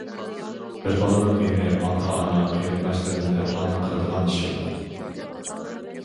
بىر بالىنىڭ غېمى ئاتا- ئانا، قېرىنداشلىرىنى پەرۋانە قىلىدىغان ئىش يوق.